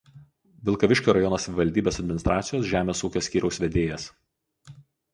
Vilkaviškio rajono savivaldybės administracijos Žemės ūkio skyriaus vedėjas.